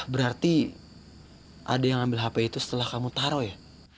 berarti ada yang ambil hp itu setelah kamu taruh ya